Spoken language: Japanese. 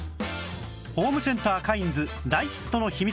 ホームセンターカインズ大ヒットの秘密